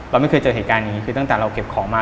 เราไม่เคยเจอเหตุการณ์อย่างนี้คือตั้งแต่เราเก็บของมา